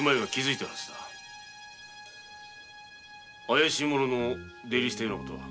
怪しい者の出入りしたような事は？